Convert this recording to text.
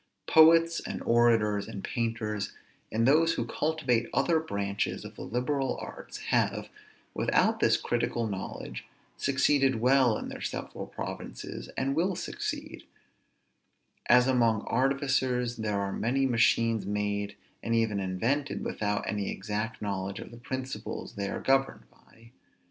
Poets, and orators, and painters, and those who cultivate other branches of the liberal arts, have, without this critical knowledge, succeeded well in their several provinces, and will succeed: as among artificers there are many machines made and even invented without any exact knowledge of the principles they are governed by.